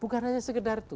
bukan hanya sekedar itu